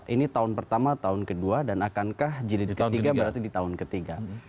ini tahun pertama tahun kedua dan akankah jilid ketiga berarti di tahun ketiga